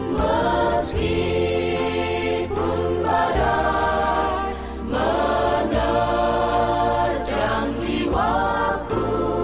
meskipun badai menerjang jiwaku